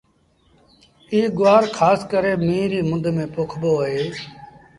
ايٚ گُوآر کآس ڪري ميݩهن ريٚ مند ميݩ پوکبو اهي۔